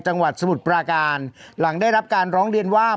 จังหวัดสมุทรปราการหลังได้รับการร้องเรียนว่า